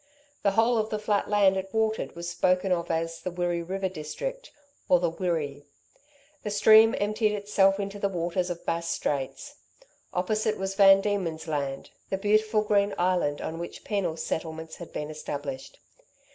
The whole of the flat land it watered was spoken of as the Wirree river district, or the Wirree. The stream emptied itself into the waters of Bass Straits. Opposite was Van Diemen's Land, the beautiful green island on which penal settlements had been established.